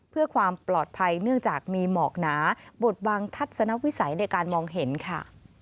เพื่อความปลอดภัยเนื่องจากมีหมอกหนาบทบังทัศนวิสัยในการมองเห็นค่ะ